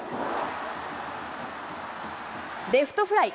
レフトフライ。